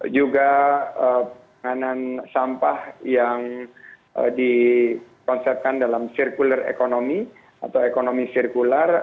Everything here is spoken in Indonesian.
juga penganan sampah yang dikonsepkan dalam circular economy atau ekonomi sirkular